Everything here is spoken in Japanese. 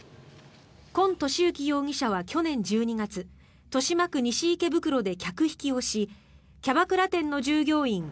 今利至容疑者は去年１２月豊島区西池袋で客引きをしキャバクラ店の従業員